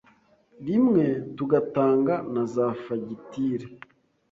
rimwe tugatanga na za fagitire